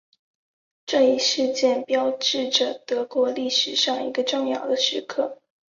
这一事件标志着德国历史上一个重要的时刻。